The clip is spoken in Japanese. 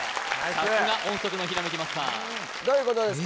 さすが音速のひらめきマスターどういうことですか？